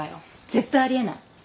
絶対あり得ない。